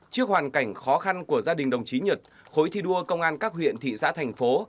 trước hoàn cảnh khó khăn của gia đình đồng chí nhật khối thi đua công an các huyện thị xã thành phố